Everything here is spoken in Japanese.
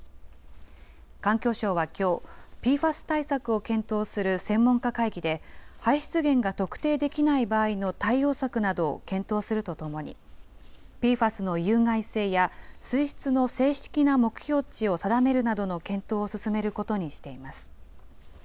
環境省はきょう、ＰＦＡＳ対策を検討する専門家会議で、排出源が特定できない場合の対応策などを検討するとともに、ＰＦＡＳの有害性や水質の正式な目標値を定めるなどの検討を進めることにしています。